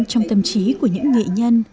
trong tâm trí của những nghệ nhân